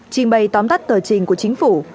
trình bày tóm tắt tờ trình của chính phủ